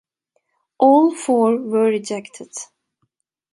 All four were rejected.